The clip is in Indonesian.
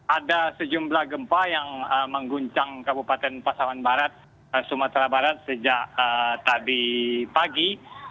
ada sejumlah gempa yang mengguncang kabupaten pasaman barat sumatera barat sejak tadi pagi